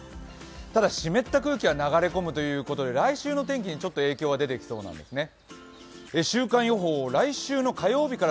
ただ、湿った空気が流れ込むということで来週の天気にちょっと影響が出てきそうなんですね。